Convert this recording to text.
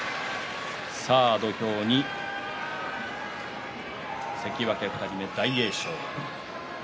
土俵に関脇２人目大栄翔。